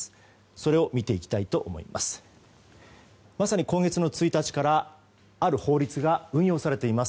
それを見ていきたいと思います。